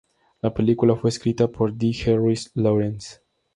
La película fue escrita por Dee Harris-Lawrence.